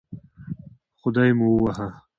خدای مو ووهه